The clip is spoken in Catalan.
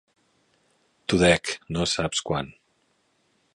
T'ho dec, no saps quant.